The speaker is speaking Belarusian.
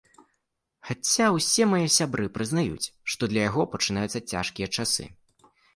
Хаця ўсе мае сябры прызнаюць, што для яго пачынаюцца цяжкі часы.